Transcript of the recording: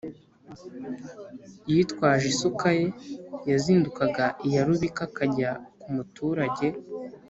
yitwaje isuka ye, yazindukaga iya rubika akajya ku muturage,